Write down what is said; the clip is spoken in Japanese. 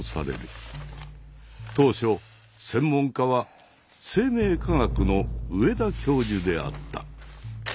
当初専門家は生命科学の上田教授であった。